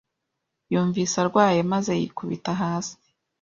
Yumvise arwaye maze yikubita hasi.